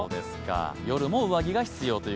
夜も上着が必要という。